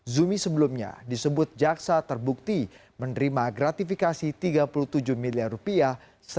zumi sebelumnya disebut jaksa terbukti menerima gratifikasi tiga puluh tujuh miliar rupiah